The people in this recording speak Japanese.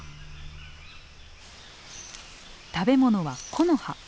食べ物は木の葉。